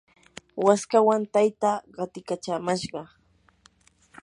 waskawan taytaa qatikachamashqa.